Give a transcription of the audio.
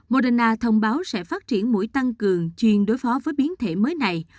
moderna thông báo sẽ phát triển mũi tăng cường chuyên đối phó với biến thể mới này